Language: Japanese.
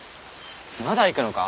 まだ行くのか？